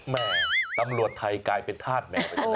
แม่ตำรวจไทยกลายเป็นธาตุแมวไปเลย